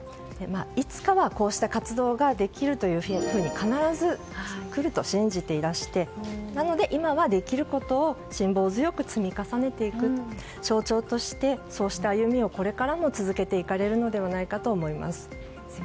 いつかは、こうした活動ができるというふうに必ず来ると信じていらして今はできることを辛抱強く積み重ねていく象徴として、そうした歩みをこれからも続けていかれるのではないかと思います。